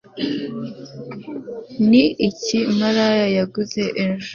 ni iki mariya yaguze ejo